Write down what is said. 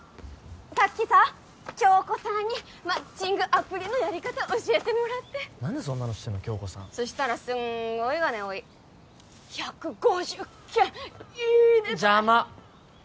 さっきさ響子さんにマッチングアプリのやり方教えてもらって何でそんなの知ってんの響子さんそしたらすんごいがねおい１５０件いいね！ばい邪魔！